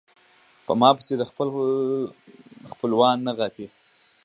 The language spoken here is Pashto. پۀ ما پسې د خپل خپل وال نه غاپي